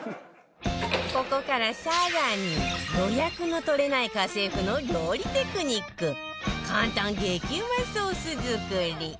ここから更に予約の取れない家政婦の料理テクニック簡単激うまソース作り